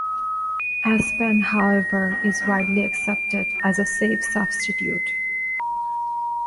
Aspen however is widely accepted as a safe substitute.